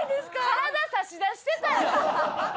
体差し出してたやろ！